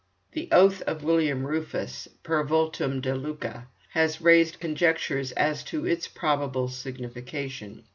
The oath of William Rufus, per vultum de Lucca, has raised conjectures as to its probable signification.